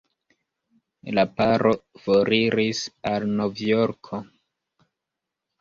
La paro foriris al Novjorko.